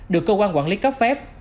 được cơ quan quản lý cấp phép